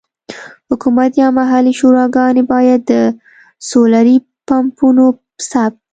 حکومت یا محلي شوراګانې باید د سولري پمپونو ثبت.